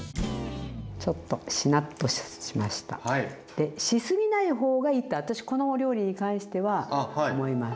でし過ぎない方がいいと私このお料理に関しては思います。